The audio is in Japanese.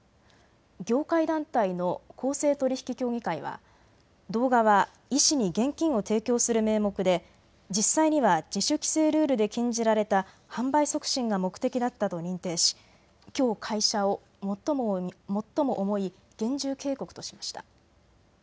業界団体の公正取引協議会は動画は医師に現金を提供する名目で実際には自主規制ルールで禁じられた販売促進が目的だったと認定し、きょう会社を最も重い厳重警告としました。